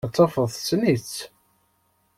Ad tafeḍ tessen-itt.